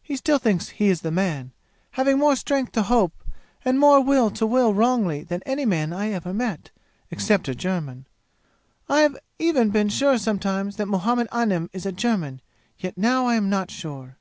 He still thinks he is the man, having more strength to hope and more will to will wrongly than any man I ever met, except a German. I have even been sure sometimes that Muhammad Anim is a German; yet now I am not sure.